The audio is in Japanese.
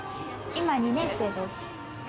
今、２年生です。